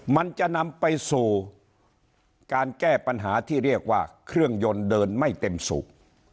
มันจะนำไปสู่การแก้ปัญหาที่เรียกว่าเครื่องยนต์เดินไม่เต็มสูบ